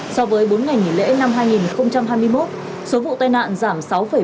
so với bốn ngày nghỉ lễ năm hai nghìn hai mươi một số vụ tai nạn giảm sáu bảy